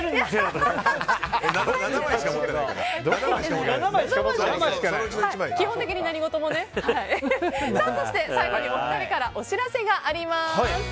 そして、最後にお二人からお知らせがあります。